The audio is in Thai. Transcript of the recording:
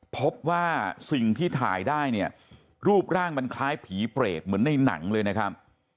พบว่าสิ่งที่ถ่ายได้เนี่ยรูปร่างมันคล้ายผีเปรตเหมือนในหนังเลยนะครับ